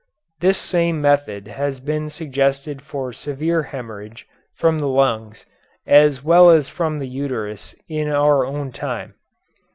This same method has been suggested for severe hemorrhage from the lungs as well as from the uterus in our own time.